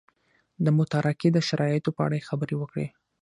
د متارکې د شرایطو په اړه یې خبرې وکړې.